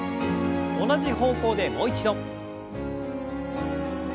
同じ方向でもう一度。